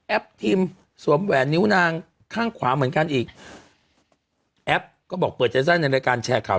ทีมสวมแหวนนิ้วนางข้างขวาเหมือนกันอีกแอปก็บอกเปิดใจสั้นในรายการแชร์ข่าว